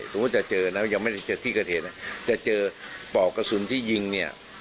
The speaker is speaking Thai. ถูกว่าจะเจอนะยังไม่ได้เจอที่กระเทศนะจะเจอปอกกระสุนที่ยิงเนี่ย